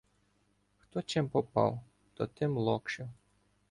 Хто чим попав, то тим локшив.